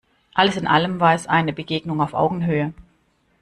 Alles in allem war es eine Begegnung auf Augenhöhe.